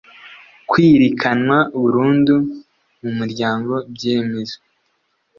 kwirikanwa burundu mu muryango byemezwa